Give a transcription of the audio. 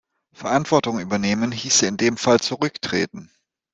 Verantwortung übernehmen hieße in dem Fall zurücktreten.